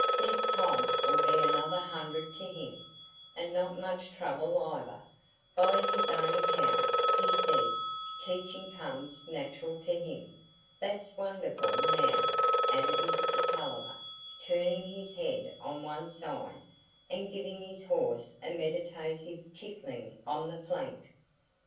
There's Tom 'ull be another hundred to him, and not much trouble either, by his own account; he says teaching comes natural to him. That's wonderful, now," added Mr Tulliver, turning his head on one side, and giving his horse a meditative tickling on the flank.